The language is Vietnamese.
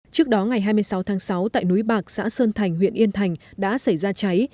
trước đó ngày hai mươi sáu tháng sáu tại núi bạc xã sơn thành huyện yên thành đã xảy ra cháy